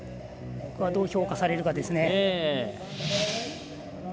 どう評価されるかですね。